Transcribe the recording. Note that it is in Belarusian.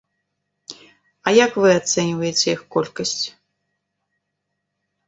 А як вы ацэньваеце іх колькасць?